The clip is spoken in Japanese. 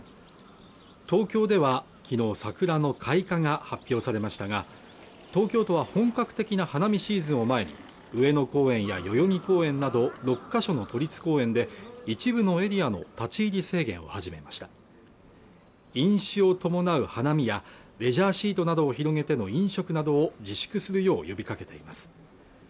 東京では昨日桜の開花が発表されましたが東京都は本格的な花見シーズンを前に上野公園や代々木公園など６か所の都立公園で一部のエリアの立ち入り制限を始めました飲酒を伴う花見やレジャーシートなどを広げての飲食などを自粛するよう呼びかけています